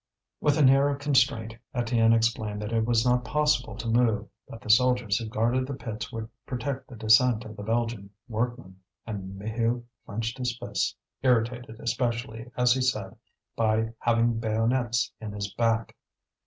With an air of constraint, Étienne explained that it was not possible to move, that the soldiers who guarded the pits would protect the descent of the Belgian workmen. And Maheu clenched his fists, irritated especially, as he said, by having bayonets in his back.